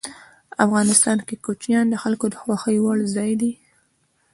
افغانستان کې کوچیان د خلکو د خوښې وړ ځای دی.